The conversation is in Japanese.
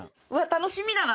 楽しみだな。